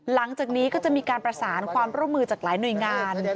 หลังจากนี้ก็จะมีการประสานความร่วมมือจากหลายหน่วยงาน